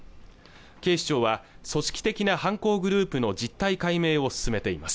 警視庁は組織的な犯行グループの実態解明を進めています